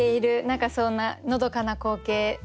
何かそんなのどかな光景だなと。